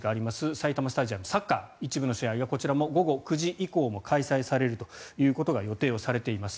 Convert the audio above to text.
埼玉スタジアムサッカー、一部の試合がこちらも午後９時以降も開催されるということが予定されています。